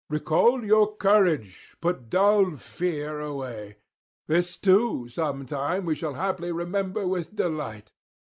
Recall your courage, put dull fear away. This too sometime we shall haply remember with delight.